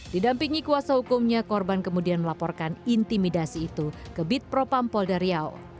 didampingi kuasa hukumnya korban kemudian melaporkan intimidasi itu ke bit propampol dariau